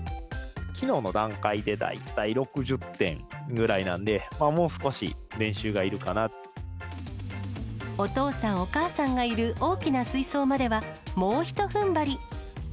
きのうの段階で大体６０点ぐらいなので、もう少し練習がいるお父さん、お母さんがいる大きな水槽までは、もうひとふんばり。